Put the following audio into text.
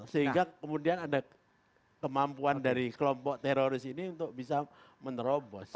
sehingga kemudian ada kemampuan dari kelompok teroris ini untuk bisa menerobos